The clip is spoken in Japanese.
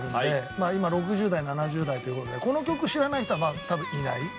今６０代７０代という事でこの曲知らない人はまあ多分いない。